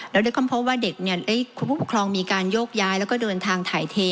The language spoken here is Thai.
แล้วด้วยความพบว่าเด็กคุณผู้ปกครองมีการโยกย้ายแล้วก็เดินทางถ่ายเท